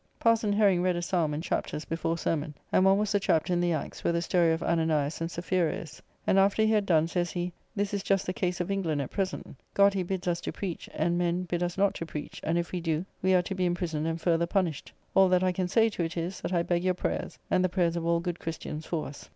Parson Herring read a psalm and chapters before sermon; and one was the chapter in the Acts, where the story of Ananias and Sapphira is. And after he had done, says he, "This is just the case of England at present. God he bids us to preach, and men bid us not to preach; and if we do, we are to be imprisoned and further punished. All that I can say to it is, that I beg your prayers, and the prayers of all good Christians, for us."